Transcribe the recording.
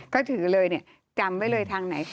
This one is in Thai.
ก็ถือเลยเนี่ยจำไว้เลยทางไหน